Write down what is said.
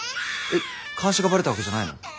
監視がバレたわけじゃないの？